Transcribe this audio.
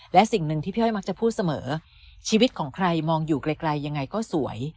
และสิ่งหนึ่งที่พี่อ้อยมักจะพูดเสมอชีวิตของใครมองอยู่ไกลยังไงก็สวย